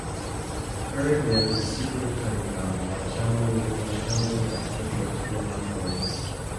Eric learns the secret of time travel by channeling with an intelligent extraterrestrial lifeform.